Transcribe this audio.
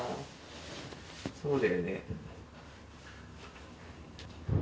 そうだよね。